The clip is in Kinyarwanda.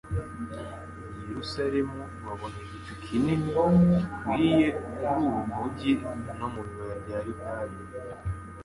Yerusalemu, babona igicu kinini gikwiriye kuri uwo mujyi no mu bibaya bya Yudaya.